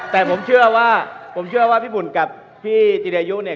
แต่ผมเชื่อว่าผมเชื่อว่าพี่บุ่นกับพี่จิรายุเนี่ย